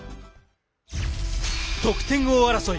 得点王争い。